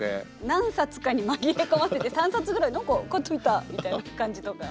何冊かに紛れ込ませて３冊ぐらいなんか買ってみたみたいな感じとか。